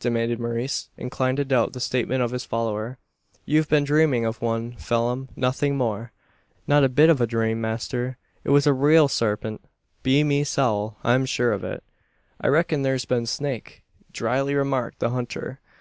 demanded Maurice, inclined to doubt the statement of his follower. "You've been dreaming of one, Phelim nothing more." "Not a bit of a dhrame, masther: it was a raal sarpint. Be me sowl, I'm shure of it!" "I reck'n thur's been snake," drily remarked the hunter.